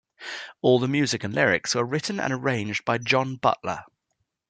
All the music and lyrics were written and arranged by John Butler.